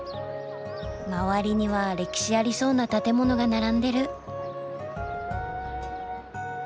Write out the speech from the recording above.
周りには歴史ありそうな建物が並んでる。